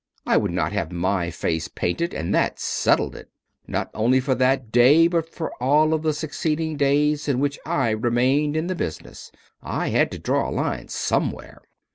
"I would not have my face painted, and that settled it! Not only for that day but for all of the succeeding days in which I remained in the business. I had to draw a line somewhere."